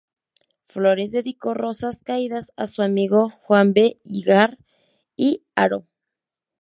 Flores dedicó Rosas Caídas a su amigo Juan B. Híjar y Haro.